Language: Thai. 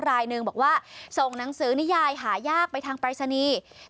รายหนึ่งบอกว่าส่งหนังสือนิยายหายากไปทางปรายศนีย์